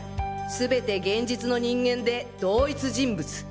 全て現実の人間で同一人物。